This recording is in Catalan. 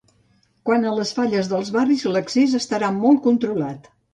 Quant a les falles dels barris, l’accés estarà molt controlat.